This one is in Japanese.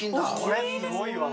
これすごいわ。